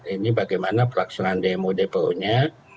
ini bagaimana pelaksanaan dmo dan cpo nya